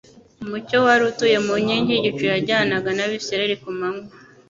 Umucyo wari utuye mu nkingi y'igicu yajyanaga n'abisiraeli ku manywa,